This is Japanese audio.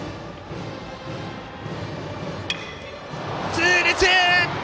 痛烈！